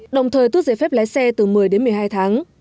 đồng thời tước giấy phép lái xe từ một mươi đến một mươi hai tháng